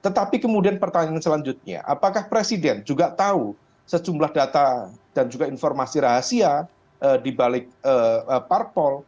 tetapi kemudian pertanyaan selanjutnya apakah presiden juga tahu sejumlah data dan juga informasi rahasia dibalik parpol